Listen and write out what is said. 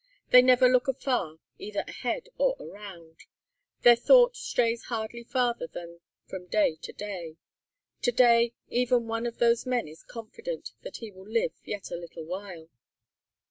They never look afar, either ahead or around. Their thought strays hardly farther than from day to day. To day, every one of those men is confident that he will live yet a little while.